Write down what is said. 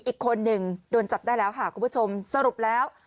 อีกคนหนึ่งโดนจับได้แล้วค่ะคุณผู้ชมสรุปแล้ว